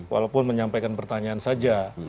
walaupun menyampaikan pertanyaan saja